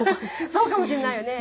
そうかもしれないよね。